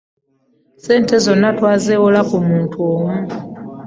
Ssente zonna twazeewola ku muntu omu.